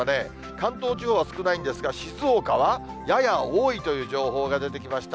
関東地方は少ないんですが、静岡はやや多いという情報が出てきました。